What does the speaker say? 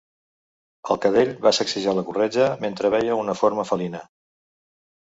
El cadell va sacsejar la corretja mentre veia una forma felina.